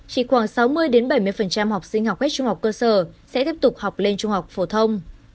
chỉ khoảng sáu mươi bảy mươi học sinh học hết trung học cơ sở sẽ tiếp tục học lên trung học phổ thông